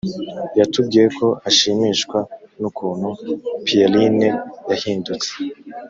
yatubwiye ko ashimishwa n’ukuntu pierrine yahindutse,